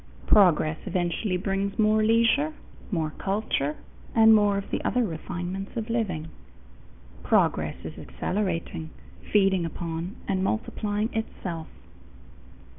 Progress eventually brings more leisure, more culture, and more of the other refinements of living. Progress is accelerating, feeding upon and multiplying itself.